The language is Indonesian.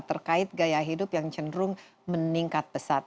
terkait gaya hidup yang cenderung meningkat pesat